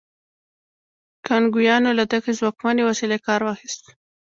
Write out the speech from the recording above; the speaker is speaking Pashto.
کانګویانو له دغې ځواکمنې وسیلې کار واخیست.